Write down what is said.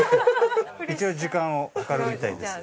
一応時間を計るみたいです。